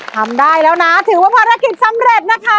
ทำได้แล้วนะถือว่าภารกิจสำเร็จนะคะ